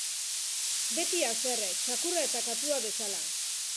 Beti haserre, txakurra eta katua bezala.